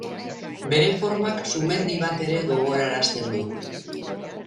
Bere formak sumendi bat ere gogorarazten du.